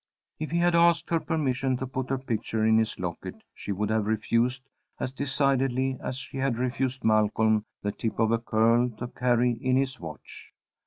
If he had asked her permission to put her picture in his locket, she would have refused as decidedly as she had refused Malcolm the tip of a curl to carry in his watch.